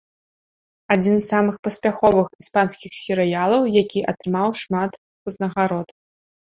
Адзін з самых паспяховых іспанскіх серыялаў, які атрымаў шмат узнагарод.